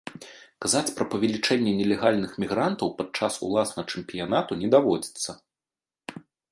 Казаць пра павелічэнне нелегальных мігрантаў падчас уласна чэмпіянату не даводзіцца.